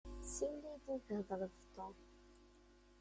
Siwel-iyi-d mi thedreḍ d Tom.